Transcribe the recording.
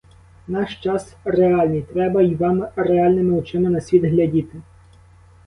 Наш час реальний, треба й вам реальними очима на світ глядіти.